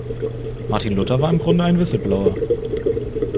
Martin Luther war im Grunde ein Whistleblower.